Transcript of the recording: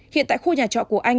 hiện tại khu nhà trọ của anh